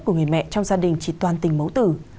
của người mẹ trong gia đình chỉ toàn tình mẫu tử